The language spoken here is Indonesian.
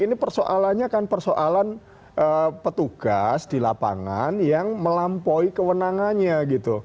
ini persoalannya kan persoalan petugas di lapangan yang melampaui kewenangannya gitu